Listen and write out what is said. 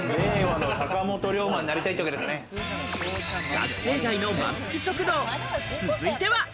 学生街のまんぷく食堂、続いては。